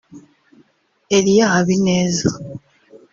Elia Habineza